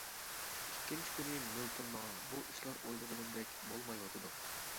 ئىككىنچى كۈنى مىلتون ماڭا:-بۇ ئىشلار ئويلىغىنىمدەك بولمايۋاتىدۇ.